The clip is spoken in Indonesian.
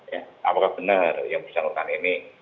ya apakah benar yang bersangkutan ini